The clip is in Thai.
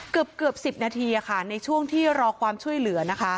เกือบ๑๐นาทีในช่วงที่รอความช่วยเหลือนะคะ